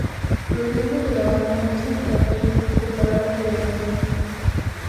Los miembros de la banda muestran carteles con palabras de la canción.